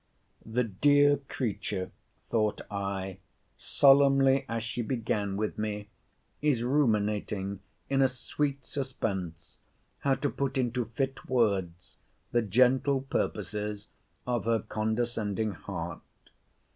The dear creature, (thought I,) solemnly as she began with me, is ruminating, in a sweet suspence, how to put into fit words the gentle purposes of her condescending heart.